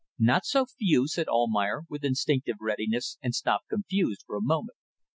"Not so few," said Almayer, with instinctive readiness, and stopped confused for a moment.